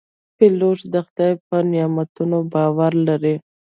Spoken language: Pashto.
پیلوټ د خدای په نعمتونو باور لري.